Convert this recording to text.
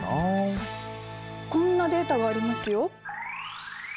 こんなデータがありますよ。